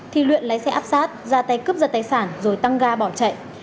thì luyện lái xe áp sát ra tay cướp giật tài sản rồi tăng ga bỏ chạy